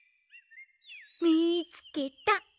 みつけた！